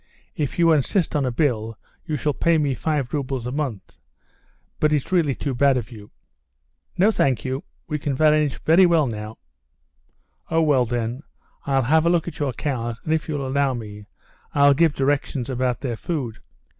If you insist on a bill you shall pay me five roubles a month; but it's really too bad of you." "No, thank you. We can manage very well now." "Oh, well, then, I'll have a look at your cows, and if you'll allow me, I'll give directions about their food.